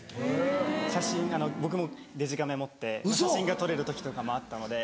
写真僕もデジカメ持って写真が撮れる時とかもあったので。